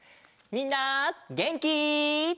みんなげんき？